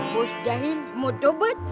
bos dahin mau tobat